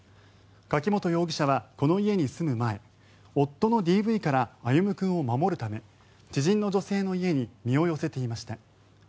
柿本容疑者は、この家に住む前夫のＤＶから歩夢君を守るため知人の女性の家に身を寄せていました。